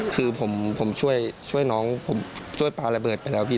คือผมช่วยน้องผมช่วยปลาระเบิดไปแล้วพี่